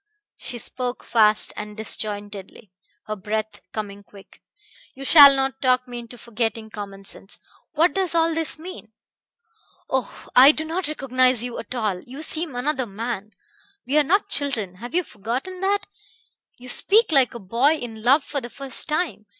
She spoke fast and disjointedly, her breath coming quick. "You shall not talk me into forgetting common sense. What does all this mean? Oh! I do not recognize you at all you seem another man. We are not children have you forgotten that? You speak like a boy in love for the first time.